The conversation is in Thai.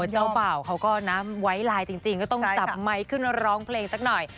เจ้าบ่าวเขาก็น้ำไว้ไลน์จริงก็ต้องจับไมค์ขึ้นร้องเพลงสักหน่อย